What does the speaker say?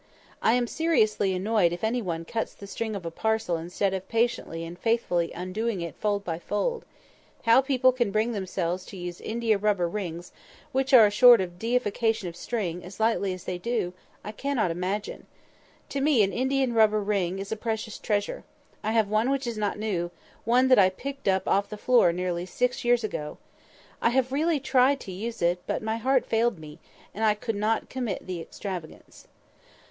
I am seriously annoyed if any one cuts the string of a parcel instead of patiently and faithfully undoing it fold by fold. How people can bring themselves to use india rubber rings, which are a sort of deification of string, as lightly as they do, I cannot imagine. To me an india rubber ring is a precious treasure. I have one which is not new—one that I picked up off the floor nearly six years ago. I have really tried to use it, but my heart failed me, and I could not commit the extravagance.